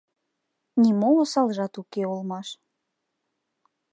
Нимо осалжат уке улмаш.